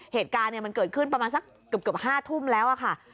เหตุการณ์มันเกิดขึ้นประมาณสักเกือบ๕ทุ่มแล้วค่ะ